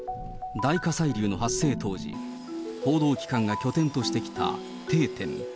大火砕流の発生当時、報道機関が拠点としてきた定点。